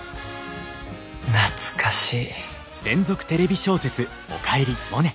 懐かしい。